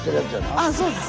あそうです。